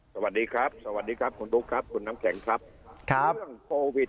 สวัสดีครับสวัสดีครับคุณลูกครับคุณน้ำแข็งครับครับ